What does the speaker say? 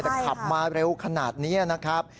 แต่ขับมาเร็วขนาดนี้นะครับ